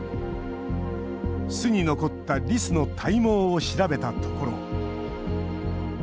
巣に残ったリスの体毛を調べたところ。